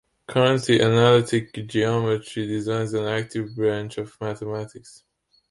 Currently, analytic geometry designates an active branch of mathematics.